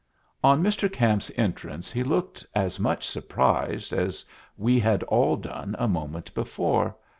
On Mr. Camp's entrance he looked as much surprised as we had all done a moment before.